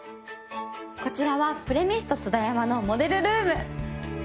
こちらはプレミスト津田山のモデルルーム。